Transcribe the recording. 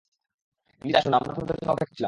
Please আসুন, আমরা আপনাদের জন্য অপেক্ষা করছিলাম।